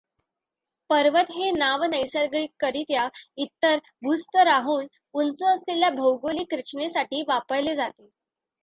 पर्वत हे नाव नैसर्गिकरित्या इतर भूस्तराहून उंच असलेल्या भौगोलिक रचनेसाठी वापरले जाते.